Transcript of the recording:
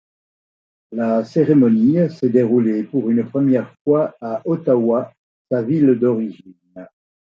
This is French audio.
La cérémonie s'est déroulée pour une première fois à Ottawa, sa ville d'origine.